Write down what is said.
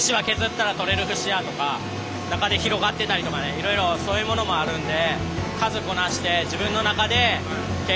いろいろそういうものもあるんで。